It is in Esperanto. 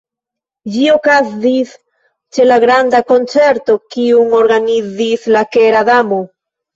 Ĝi okazis ĉe la granda koncerto kiun organizis la Kera Damo.